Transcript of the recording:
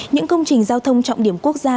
những công trình giao thông trọng điểm quốc gia